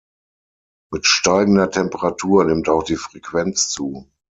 Mit steigender Temperatur nimmt auch die Frequenz zu.